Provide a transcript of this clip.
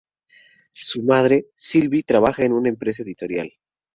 Su madre, Sylvie, trabaja en una empresa editorial.